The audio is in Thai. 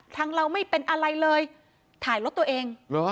เราไม่เป็นอะไรเลยถ่ายรถตัวเอง